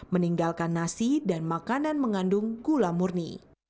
meninggalkan nasi dan makanan mengandung gula murni